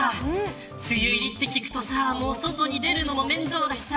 梅雨入りって聞くとさもう外に出るのも面倒だしさ